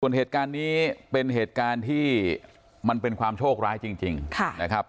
ส่วนเหตุการณ์นี้เป็นเหตุการณ์ที่มันเป็นความโชคร้ายจริงนะครับ